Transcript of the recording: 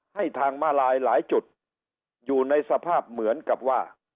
ให้ทางมาลายหลายจุดอยู่ในสภาพเหมือนกับว่า